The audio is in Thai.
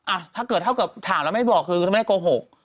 ถ้าเกิดเท่ากับถามแล้วไม่บอกคือถ้าไม่ได้โกหก